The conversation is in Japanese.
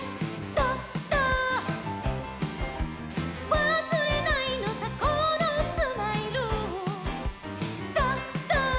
「わすれないのさこのスマイル」「ドド」